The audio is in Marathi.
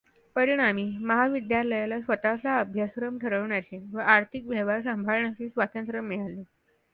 परिणामी, महाविद्यालयाला स्वतःचा अभ्यासक्रम ठरवण्याचे व आर्थिक व्यवहार सांभाळण्याचे स्वातंत्र्य मिळाले.